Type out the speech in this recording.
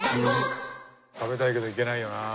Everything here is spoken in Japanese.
食べたいけどいけないよなあ。